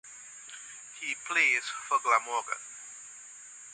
He plays for Glamorgan.